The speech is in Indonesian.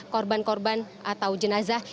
korban korban atau jenazah